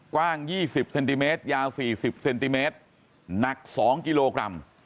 กว้าง๒๐เซนติเมตรยาว๔๐เซนติเมตรหนัก๒กิโลกรัม